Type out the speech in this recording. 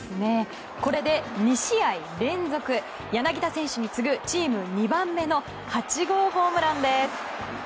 これで２試合連続柳田選手に次ぐチーム２番目の８号ホームランです。